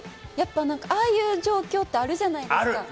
ああいう状況ってあるじゃないですか。